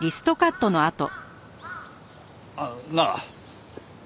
あっなあ。